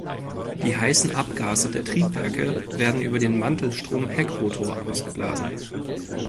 Die heißen Abgase der Triebwerke werden über den Mantelstrom-Heckrotor ausgeblasen.